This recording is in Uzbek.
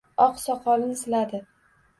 Oq soqolin siladi.